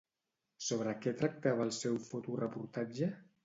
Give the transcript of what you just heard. Sobre què tractava el seu fotoreportatge?